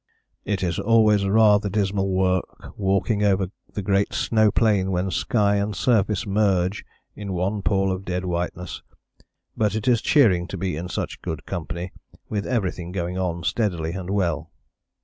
"It is always rather dismal work walking over the great snow plain when sky and surface merge in one pall of dead whiteness, but it is cheering to be in such good company with everything going on steadily and well."